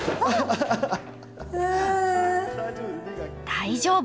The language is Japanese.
大丈夫！